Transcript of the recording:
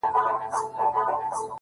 خیر حتمي کارونه مه پرېږده _ کار باسه _